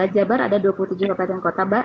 jabar ada dua puluh tujuh kabupaten kota mbak